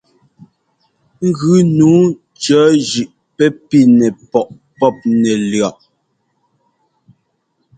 Ŋgʉ nǔu cɔ̌ zʉꞌ pɛ́ pi nɛpɔꞌ pɔ́p nɛlʉ̈ɔꞌ.